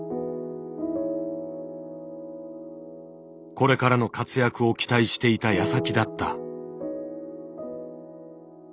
これからの活躍を期待していたやさきだった。